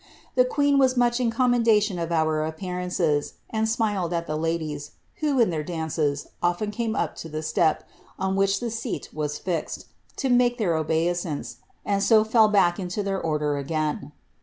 The queen «■ much in commendation of our appearances, and smiled at the ladies, 'ho, in their dances, often came up to the step, on which the seat was led, to make their obeisance, and so fell back into their order again.